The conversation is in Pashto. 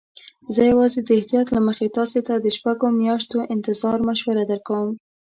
زه یوازې د احتیاط له مخې تاسي ته د شپږو میاشتو انتظار مشوره درکوم.